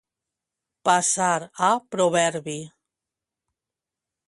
Passar a proverbi.